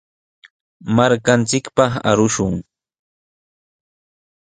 Markanchikpaq arushun.